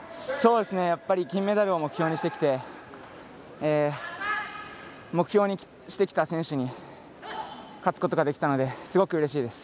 金メダルを目標にしてきて目標にしてきた選手に勝つことができたのですごく、うれしいです。